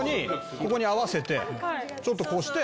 ここに合わせて、ちょっとこうして。